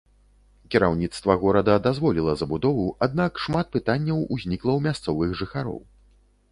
Кіраўніцтва горада дазволіла забудову, аднак шмат пытанняў узнікла ў мясцовых жыхароў.